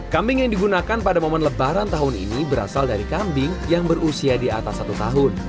kambing yang digunakan pada momen lebaran tahun ini berasal dari kambing yang berusia di atas satu tahun